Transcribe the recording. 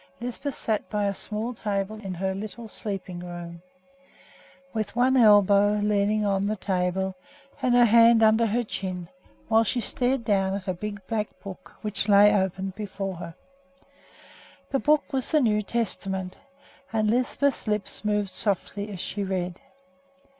Lisbeth sat by the small table in her little sleeping room, with one elbow leaning on the table and her hand under her chin, while she stared down at a big black book which lay open before her. The book was the New Testament, and Lisbeth's lips moved softly as she read.